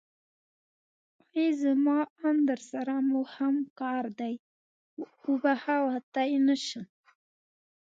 ای زما ام درسره موهم کار دی خو وبښه وتی نشم.